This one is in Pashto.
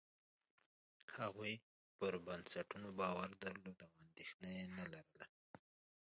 هغوی پر بنسټونو باور درلود او اندېښنه یې نه لرله.